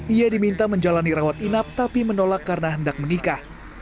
ia diminta menjalani rawat inap tapi menolak karena hendak menikah